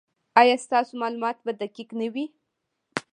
ایا ستاسو معلومات به دقیق نه وي؟